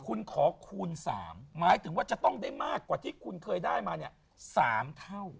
คุณขอคูณ๓หมายถึงว่าจะต้องได้มากกว่าที่คุณเคยได้มาเนี่ย๓เท่า